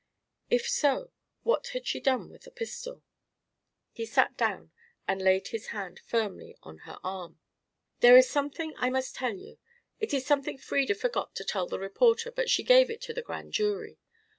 If so, what had she done with the pistol? He sat down and laid his hand firmly on her arm. "There is something I must tell you. It is something Frieda forgot to tell the reporter, but she gave it to the Grand Jury.